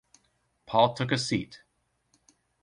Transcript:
Paul took a seat.